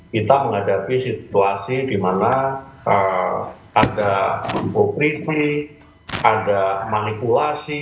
kita menghadapi situasi di mana ada hipokriti ada manipulasi